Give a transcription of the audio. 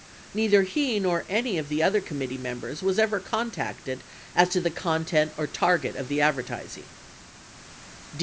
Neither he nor any of the other committee members was ever contacted as to the content or target of the advertising.